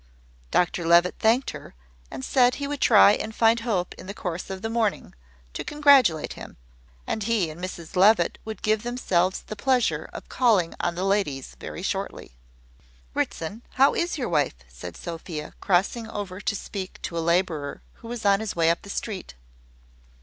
Dr Levitt thanked her, and said he would try and find Hope in the course of the morning, to congratulate him; and he and Mrs Levitt would give themselves the pleasure of calling on the ladies, very shortly. "Ritson, how is your wife?" said Sophia, crossing over to speak to a labourer who was on his way up the street.